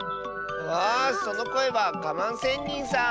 あそのこえはガマンせんにんさん！